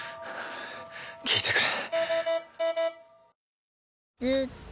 効いてくれ。